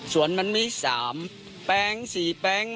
สวนนั่นมี๓แปลง๔แปลง